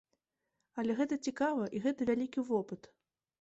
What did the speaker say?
Але гэта цікава і гэта вялікі вопыт.